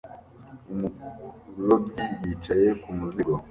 Umurobyi yicaye ku muzingo